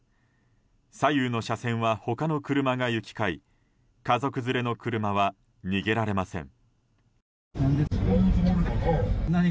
左右の車線は他の車が行き交い家族連れの車は逃げられません。